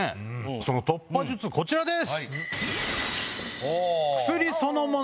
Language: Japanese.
その突破術こちらです！